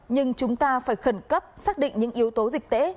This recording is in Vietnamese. nhưng chúng ta phải khẩn cấp xác định những yếu tố dịch tễ